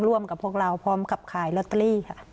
ร่วมกับพวกเราพร้อมกับขายลอตเตอรี่ค่ะ